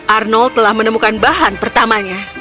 arnold telah menemukan bahan pertamanya